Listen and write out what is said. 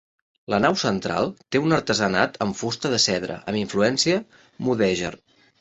La nau central té un artesanat en fusta de cedre amb influència mudèjar.